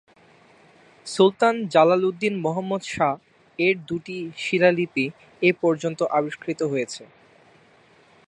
সুলতান জালালুদ্দীন মুহম্মদ শাহ-এর দু’টি শিলালিপি এ পর্যন্ত আবিষ্কৃত হয়েছে।